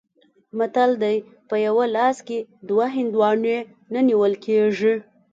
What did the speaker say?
متل دی: په یوه لاس کې دوه هندواڼې نه نیول کېږي.